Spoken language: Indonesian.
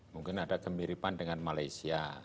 mungkin ada kemiripan dengan malaysia